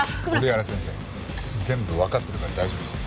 折原先生全部わかってるから大丈夫です。